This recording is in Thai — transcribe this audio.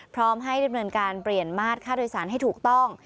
พร้อมให้ดำเนินการเปลี่ยนมาตรค่าโดยสารให้ถูกต้อง